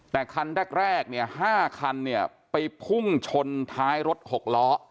แต่คันแรก๕คันไปพุ่งชนท้ายรถ๖ล้อ